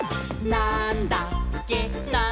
なんだっけ？！」